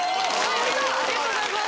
ありがとうございます。